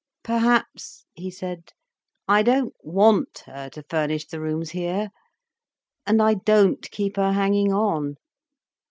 "Perhaps," he said. "I don't want her to furnish the rooms here—and I don't keep her hanging on.